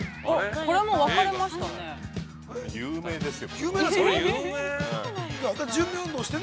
◆これも分かれましたね。